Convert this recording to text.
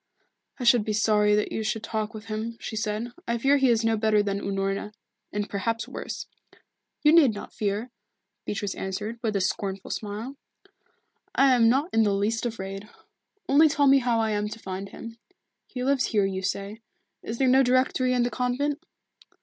"I should be sorry that you should talk with him," she said. "I fear he is no better than Unorna, and perhaps worse." "You need not fear," Beatrice answered, with a scornful smile. "I am not in the least afraid. Only tell me how I am to find him. He lives here, you say is there no directory in the convent?"